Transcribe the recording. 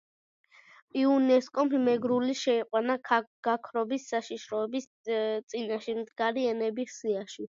იუნესკომ მეგრული შეიყვანა გაქრობის საშიშროების წინაშე მდგარი ენების სიაში.